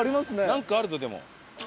なんかあるぞでも。